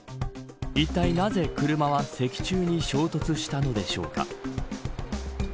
いったいなぜ車は石柱に衝突したのでしょうか。